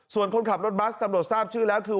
ส่วนคนขับรถบัสตำรวจทราบชื่อแล้วคือ